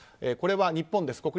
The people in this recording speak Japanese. これは日本です。